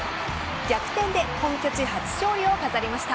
逆転で本拠地初勝利を飾りました。